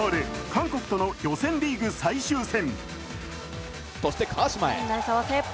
韓国との予選リーグ最終戦。